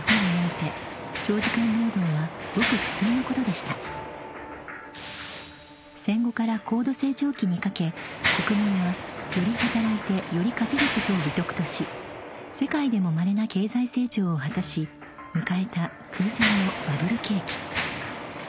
［しかし］［戦後から高度成長期にかけ国民はより働いてより稼ぐことを美徳とし世界でもまれな経済成長を果たし迎えた空前のバブル景気］